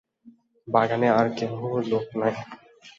বাগানে আর কেহ লোক নাই।